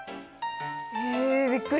えびっくり！